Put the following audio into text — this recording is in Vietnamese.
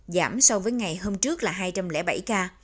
giảm so với ngày hôm trước là hai trăm linh bảy ca